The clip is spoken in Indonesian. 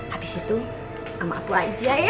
habis itu sama aku aja ya